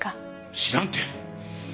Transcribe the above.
知らんて。